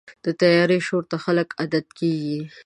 د طیارو شور ته خلک عادت کېږي.